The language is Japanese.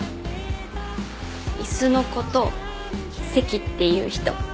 椅子のこと席って言う人。